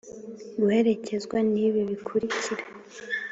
guherekezwa n ibi bikurikira